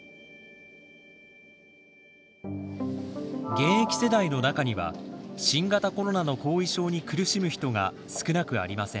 現役世代の中には新型コロナの後遺症に苦しむ人が少なくありません。